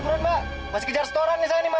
brun mbak masih kejar setoran nih saya nih mbak